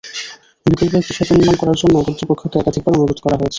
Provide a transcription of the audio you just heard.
বিকল্প একটি সেতু নির্মাণ করার জন্যও কর্তৃপক্ষকে একাধিকবার অনুরোধ করা হয়েছে।